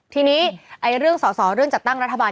ทีนี้เรื่องสอสอเรื่องจัดตั้งรัฐบาล